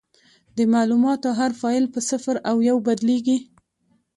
د معلوماتو هر فایل په صفر او یو بدلېږي.